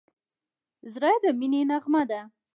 زړه د مینې نغمه ده.